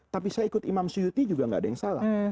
tapi saya ikut imam syuti juga gak ada yang salah